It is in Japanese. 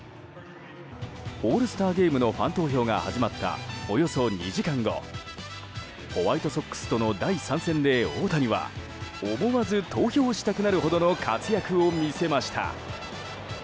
オールスターゲームのファン投票が始まったおよそ２時間後ホワイトソックスとの第３戦で大谷は思わず投票したくなるほどの活躍を見せました。